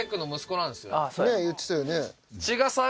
ねぇ言ってたよね。